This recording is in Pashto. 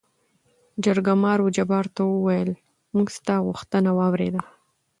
جرګمارو جبار ته ووېل: موږ ستا غوښتنه وارېده.